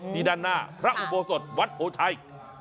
ที่ด้านหน้าพระอุโมสรวัดโหชัย